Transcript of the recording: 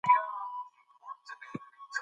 ده په ټیلیفون کې وویل چې په پټه روژه نیولې وه.